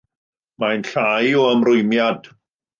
Mae'n llai o ymrwymiad.